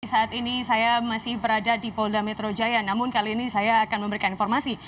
saat ini saya masih berada di polda metro jaya namun kali ini saya akan memberikan informasi